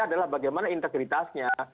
adalah bagaimana integritasnya